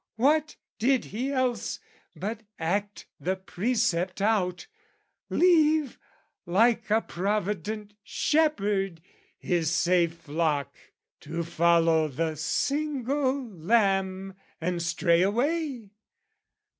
What did he else but act the precept out, Leave, like a provident shepherd, his safe flock To follow the single lamb and strayaway?